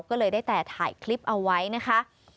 ก็เลยได้แต่ถ่ายคลิปเอาไว้นะคะ